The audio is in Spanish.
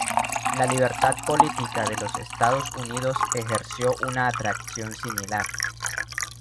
La libertad política de los Estados Unidos ejerció una atracción similar.